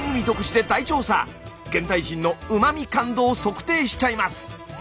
現代人のうま味感度を測定しちゃいます！